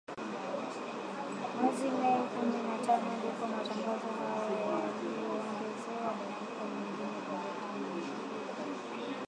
Mwezi Mei kumi na tano ndipo matangazo hayo yaliongezewa dakika nyingine thelathini